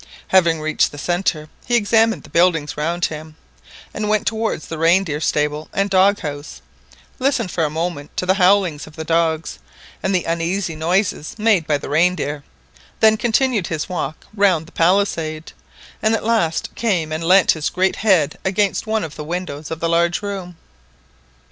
Having reached the centre, he examined the buildings around him, went towards the reindeer stable and dog house, listened for a moment to the howlings of the dogs and the uneasy noises made by the reindeer, then continued his walk round the palisade, and at last came and leant his great head against one of the windows of the large room.